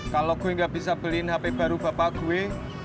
kalo gue nggak bisa beliin hp baru bapak gue